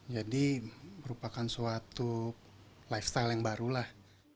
jadi merupakan suatu lifestyle yang baru lah